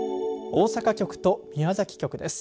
大阪局と宮崎局です。